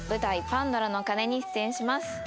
「パンドラの鐘」に出演します